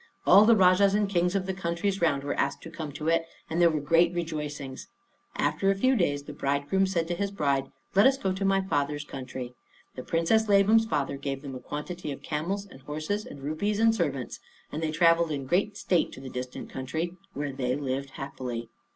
All the Rajahs and Kings of the countries round were asked to come to it, and there were great rejoicings. After a few days the bridegroom said to his bride "Let us go to my father's country." The Princess Labam's father gave them a quantity of camels and horses and rupees and servants; and they traveled in great state to the distant country, where they lived happily.